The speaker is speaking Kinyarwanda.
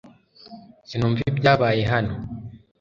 Sinumva ibyabaye hano .